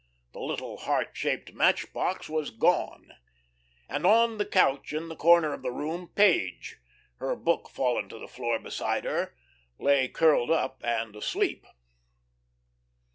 The little heart shaped match box was gone, and on the couch in the corner of the room Page, her book fallen to the floor beside her, lay curled up and asleep.